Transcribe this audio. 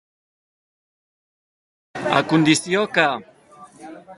A condició que.